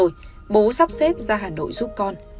rồi bố sắp xếp ra hà nội giúp con